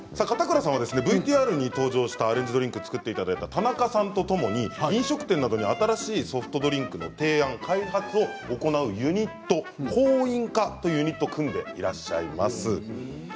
片倉さんはＶＴＲに登場したアレンジドリンクを作っていただいた田中さんとともに飲食店などに新しいソフトドリンクの提案開発を行う香飲家というユニットを組んでいらっしゃいます。